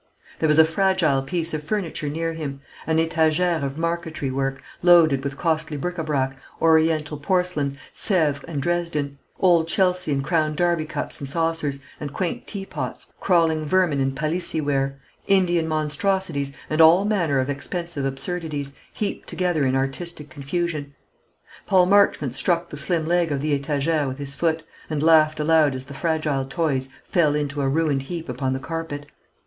There was a fragile piece of furniture near him, an étagère of marqueterie work, loaded with costly bric à brac, Oriental porcelain, Sèvres and Dresden, old Chelsea and crown Derby cups and saucers, and quaint teapots, crawling vermin in Pallissy ware, Indian monstrosities, and all manner of expensive absurdities, heaped together in artistic confusion. Paul Marchmont struck the slim leg of the étagère with his foot, and laughed aloud as the fragile toys fell into a ruined heap upon the carpet.